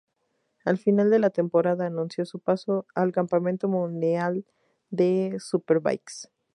Al final de la temporada anunció su paso al Campeonato Mundial de Superbikes.